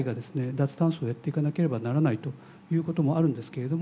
脱炭素をやっていかなければならないということもあるんですけれども